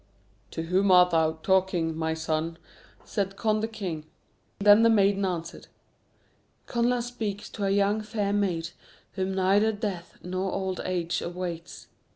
"To whom art thou talking, my son?" said Conn the king. Then the maiden answered, "Connla speaks to a young, fair maid, whom neither death nor old age awaits.